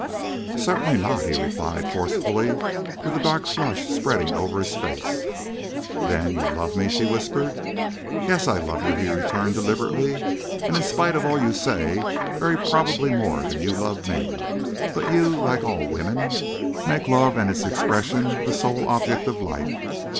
"Certainly not," he replied, forcibly, with a dark flush spreading over his face. "Then—you love me?" she whispered. "Yes—I love you," he returned, deliberately. "And in spite of all you say—very probably more than you love me.... But you, like all women, make love and its expression the sole object of life.